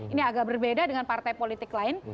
ini agak berbeda dengan partai politik lain